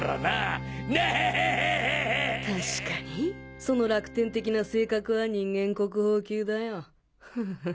確かにその楽天的な性格は人間国宝級だよハハハ